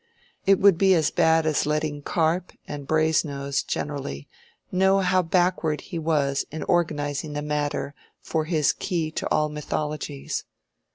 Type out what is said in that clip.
It would be as bad as letting Carp, and Brasenose generally, know how backward he was in organizing the matter for his "Key to all Mythologies."